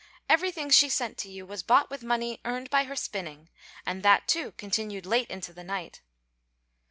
Everything she sent to you was bought with money earned by her spinning, and that, too, continued late into the night."